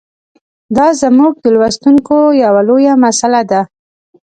دا زموږ د لوستونکو یوه لویه مساله ده.